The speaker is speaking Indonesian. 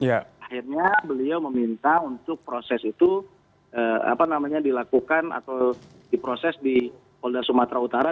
akhirnya beliau meminta untuk proses itu dilakukan atau diproses di polda sumatera utara